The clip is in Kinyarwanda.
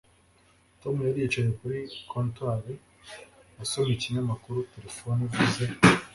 tom yari yicaye kuri comptoir asoma ikinyamakuru telefone ivuze